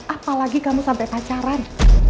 apalagi kamu sampe pacaran